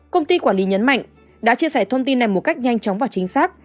công ty quản lý nhấn mạnh đã chia sẻ thông tin này một cách nhanh chóng và chính xác